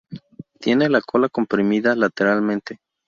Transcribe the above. Tiene la cola comprimida lateralmente.